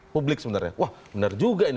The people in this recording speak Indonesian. publik sebenarnya wah benar juga ini